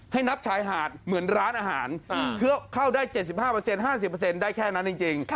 ให้นับชายหาดเหมือนร้านอาหารเข้าได้๗๕เปอร์เซ็นต์๕๐เปอร์เซ็นต์ได้แค่นั้นจริง